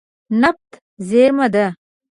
نفت زیرمه ده.